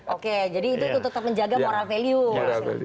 oke jadi itu tetap menjaga moral value